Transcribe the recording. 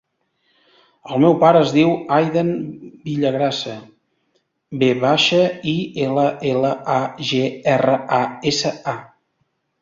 El meu pare es diu Aiden Villagrasa: ve baixa, i, ela, ela, a, ge, erra, a, essa, a.